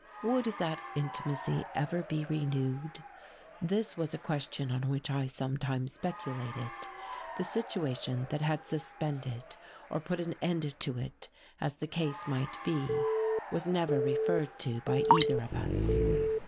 Would that intimacy ever be renewed? This was a question on which I sometimes speculated. The situation that had suspended or put an end to it, as the case might be, was never referred to by either of us.